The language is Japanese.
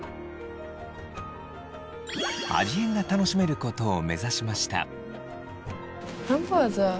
味変が楽しめることを目指しました。